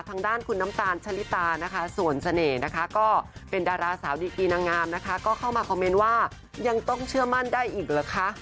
ทางด้านคุณน้ำตาลชะลิตานะคะส่วนเสน่ห์นะคะก็เป็นดาราสาวดีกีนางงามนะคะก็เข้ามาคอมเมนต์ว่ายังต้องเชื่อมั่นได้อีกเหรอคะ